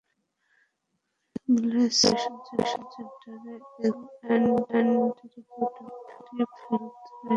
Village education সেন্টারে sexual and reproductive health rights নিয়ে এখন তার কাজ।